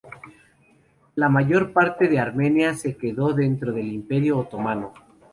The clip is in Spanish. La mayor parte de Armenia se quedó dentro del Imperio otomano.